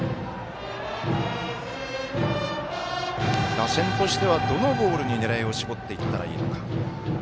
打線としては、どのボールに狙いを絞っていったらいいのか。